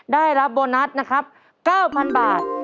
ได้รับโบนัสนะครับ๙๐๐บาท